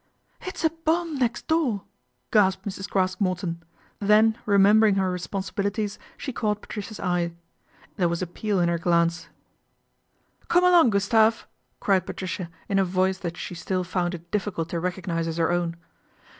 " It's a bomb next door," gasped Mrs. Craske Morton, then remembering her responsibilities, she caught Patricia's eye. There was appeal in hei glance. THE AIR RAID 267 " Come along, Gustave," cried Patricia in a voice that she still found it difficult to recognise as her own.